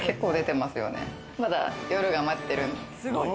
まだ夜が待ってるんで。